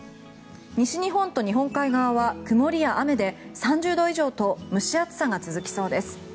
西日本と日本海側は曇りや雨で３０度以上と蒸し暑さが続きそうです。